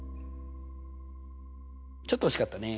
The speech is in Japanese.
ちょっと惜しかったね。